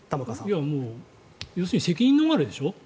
要するに責任逃れでしょ。